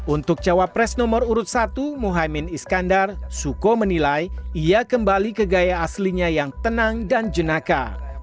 untuk cawapres nomor urut satu muhaymin iskandar suko menilai ia kembali ke gaya aslinya yang tenang dan jenaka